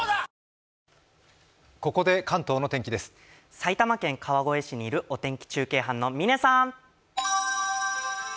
埼玉県川越市にいるお天気中継班、嶺さん。